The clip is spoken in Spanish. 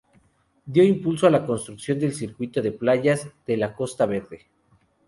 Dio impulso a la construcción del circuito de playas de la Costa Verde.